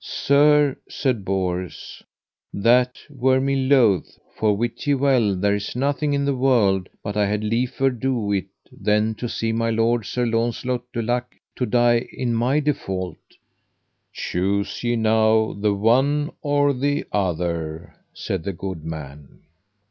Sir, said Bors, that were me loath, for wit ye well there is nothing in the world but I had liefer do it than to see my lord, Sir Launcelot du Lake, to die in my default. Choose ye now the one or the other, said the good man.